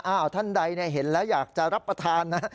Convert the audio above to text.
ท่านใดเห็นแล้วอยากจะรับประทานนะ